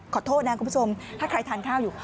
ขอโทษนะคุณผู้ชมถ้าใครทานข้าวอยู่